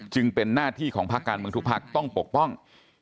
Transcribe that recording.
เป็นหน้าที่ของภาคการเมืองทุกพักต้องปกป้อง